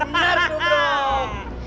bener tuh bro